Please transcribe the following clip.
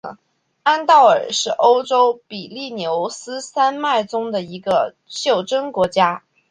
安道尔是欧洲比利牛斯山脉中的一个袖珍国家。